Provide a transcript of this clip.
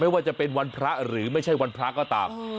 ว่าจะเป็นวันพระหรือไม่ใช่วันพระก็ตาม